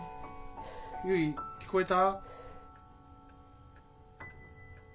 ゆい聞こえた？